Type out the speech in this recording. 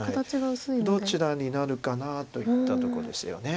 どちらになるかなといったとこです。